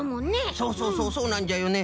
そうそうそうそうなんじゃよね。